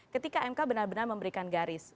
ketika mk benar benar memberikan garis